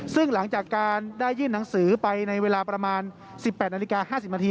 ซึ่งหลังจากการได้ยื่นหนังสือไปในเวลาประมาณ๑๘นาฬิกา๕๐นาที